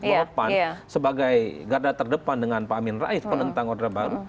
lohopan sebagai garda terdepan dengan pak amin rais penentang orde baru